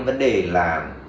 vấn đề là